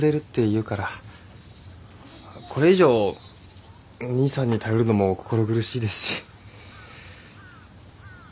これ以上お義兄さんに頼るのも心苦しいですし。